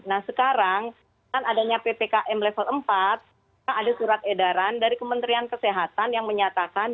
nah sekarang dengan adanya ppkm level empat ada surat edaran dari kementerian kesehatan yang menyatakan